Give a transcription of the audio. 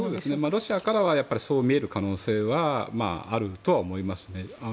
ロシアからはそう見える可能性はあるとは思います。